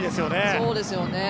そうですよね。